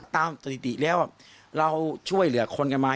สถิติแล้วเราช่วยเหลือคนกันมา